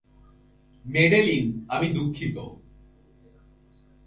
Madeline, আমি দুঃখিত।